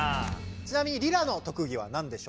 ちなみにリラの特技は何でしょうか？